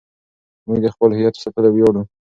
موږ د خپل هویت په ساتلو ویاړو.